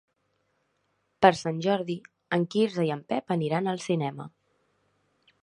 Per Sant Jordi en Quirze i en Pep aniran al cinema.